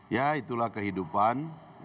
ya itulah kehidupan